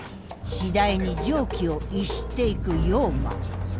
次第に常軌を逸していく陽馬。